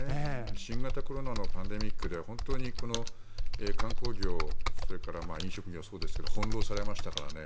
新型コロナのパンデミックで本当に観光業それから飲食業もそうですが翻ろうされましたからね。